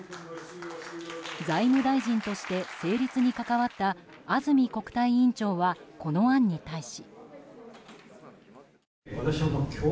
財務大臣として成立に関わった安住国対委員長はこの案に対し。